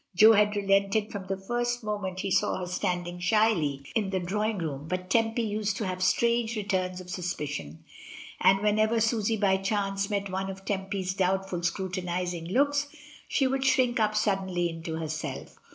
Jo had relented from the first moment he saw her standing shyly in the drawing room, but Tempy used to have strange re turns of suspicion. And whenever Susy by chance met one of Tempy's doubtful scrutinising looks she would shrink up suddenly into herself.